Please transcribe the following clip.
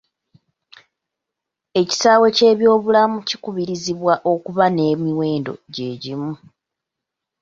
Ekisaawe ky'ebyobulamu kikubirizibwa okuba n'emiwendo gye gimu.